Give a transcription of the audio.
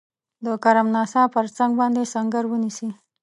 د کرم ناسا پر څنګ باندي سنګر ونیسي.